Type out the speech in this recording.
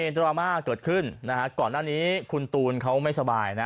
ดราม่าเกิดขึ้นนะฮะก่อนหน้านี้คุณตูนเขาไม่สบายนะ